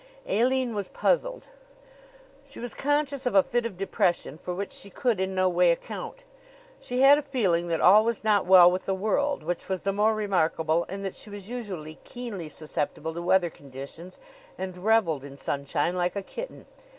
Aline was puzzled. She was conscious of a fit of depression for which she could in no way account. She had a feeling that all was not well with the world, which was the more remarkable in that she was usually keenly susceptible to weather conditions and reveled in sunshine like a kitten.